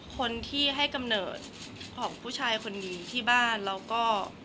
คนที่ให้กำเนิดของผู้ชายคนนี้ที่บ้านแล้วก็